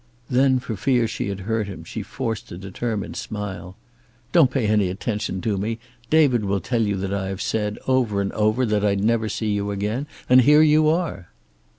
Then for fear she had hurt him she forced a determined smile. "Don't pay any attention to me. David will tell you that I have said, over and over, that I'd never see you again. And here you are!"